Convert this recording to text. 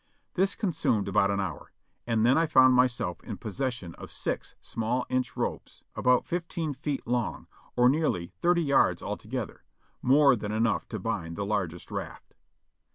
This consumed about an hour, and then I found myself in possession of six small inch ropes about fifteen feet long, or nearly thirty yards altogether, more than enough to bind the largest raft.